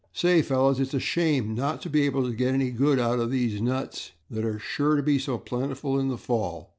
"Say, fellows, its a shame not to be able to get any good out of these nuts that are sure to be so plentiful in the fall.